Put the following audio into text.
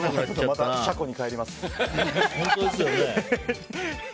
また車庫に帰りますよ。